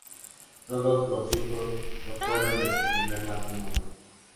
Todos los hijos lo fueron de su primer matrimonio.